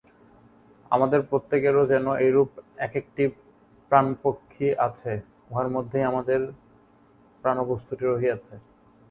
আমাদের প্রত্যেকেরও যেন এইরূপ এক-একটি প্রাণ-পক্ষী আছে, উহার মধ্যেই আমাদের প্রাণবস্তুটি রহিয়াছে।